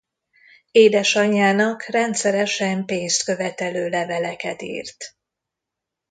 Édesanyjának rendszeresen pénzt követelő leveleket írt.